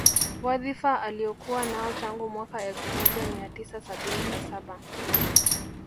Wadhifa Aliokuwa nao tangu mwaka elfu moja mia tisa sabini na saba